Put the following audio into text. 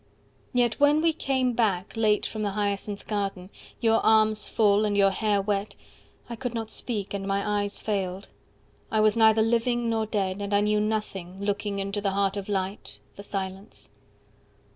—Yet when we came back, late, from the Hyacinth garden, Your arms full, and your hair wet, I could not Speak, and my eyes failed, I was neither Living nor dead, and I knew nothing, 40 Looking into the heart of light, the silence.